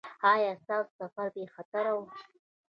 ایا ستاسو سفر بې خطره و؟